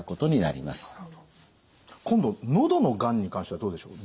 今度喉のがんに関してはどうでしょう？